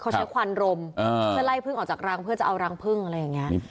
เขาใช้ควันรมเพื่อไล่พึ่งออกจากรังเพื่อจะเอารังพึ่งอะไรอย่างนี้